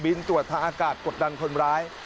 ตรวจทางอากาศกดดันคนร้าย